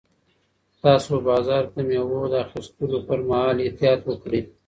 تاسو په بازار کې د مېوو د اخیستلو پر مهال احتیاط وکړئ.